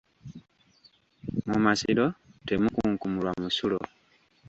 Mu masiro temukunkumulwa musulo.